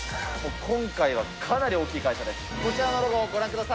今回はかなり大きい会社です。